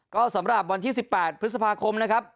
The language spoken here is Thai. ก็สำหรับวันที่๑๘พฤษภาคมนะครับ